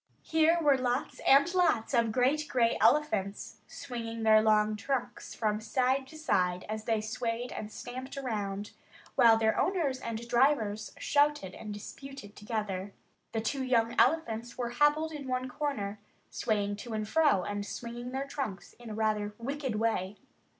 Here were lots and lots of great gray elephants, swinging their long trunks from side to side as they swayed and stamped around, while their owners and drivers shouted and disputed together. The two young elephants were hobbled in one corner, swaying to and fro and swinging their trunks in rather a wicked way.